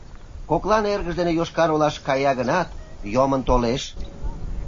Коклан эргыж деке Йошкар-Олаш кая гынат, йомын толеш.